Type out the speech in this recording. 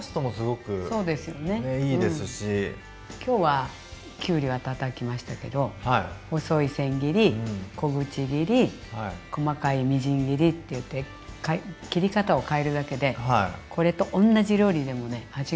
今日はきゅうりはたたきましたけど細い千切り小口切り細かいみじん切りっていって切り方を変えるだけでこれと同じ料理でもね味が変わるので。